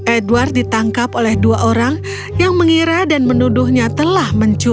edward ditangkap oleh dua orang yang mengira dan menuduhnya telah mencuri